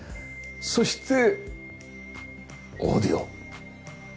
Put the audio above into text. そしてオーディオ。